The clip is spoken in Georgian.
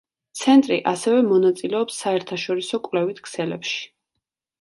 ცენტრი ასევე მონაწილეობს საერთაშორისო კვლევით ქსელებში.